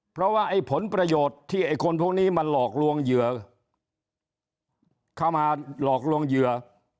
เพราะว่าไอ้ผลประโยชน์ที่ไอ้คนพวกนี้มันหลอกลวงเหยื่อเข้ามาหลอกลวงเหยื่อ